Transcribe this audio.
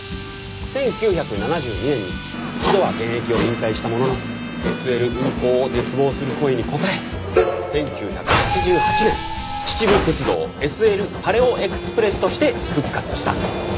１９７２年に一度は現役を引退したもののＳＬ運行を熱望する声に応え１９８８年秩父鉄道ＳＬパレオエクスプレスとして復活したんです。